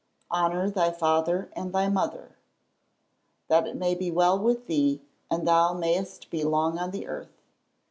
[Verse: "Honour thy father and thy mother That it may be well with thee, and thou mayest be long on the earth."